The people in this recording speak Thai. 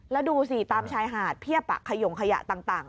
แล้วดูสิตามชายหาดเพียบขยงขยะต่าง